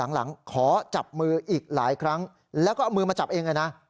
หลังขอจับมืออีกหลายครั้งแล้วก็เอามือมาจับเองเลยนะ